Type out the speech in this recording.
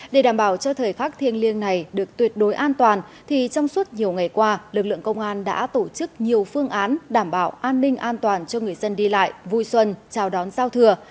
để đảm bảo cho thời khắc thiêng liêng này được tuyệt đối an toàn thì trong suốt nhiều ngày qua lực lượng công an đã tổ chức nhiều phương án đảm bảo an ninh an toàn cho người dân đi lại vui xuân chào đón giao thừa